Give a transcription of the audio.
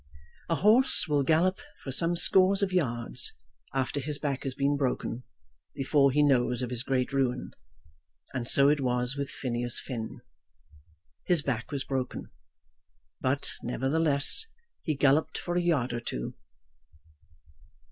A horse will gallop for some scores of yards, after his back has been broken, before he knows of his great ruin; and so it was with Phineas Finn. His back was broken, but, nevertheless, he galloped, for a yard or two.